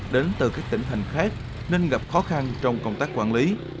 đến từ các tỉnh thành khác nên gặp khó khăn trong công tác quản lý